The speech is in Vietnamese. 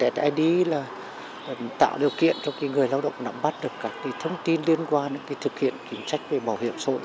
vssid là tạo điều kiện cho người lao động nắm bắt được các thông tin liên quan đến thực hiện kiểm trách về bảo hiểm xã hội